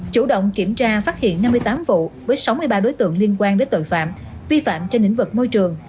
chủ động kiểm tra phát hiện năm mươi tám vụ với sáu mươi ba đối tượng liên quan đến tội phạm vi phạm trên lĩnh vực môi trường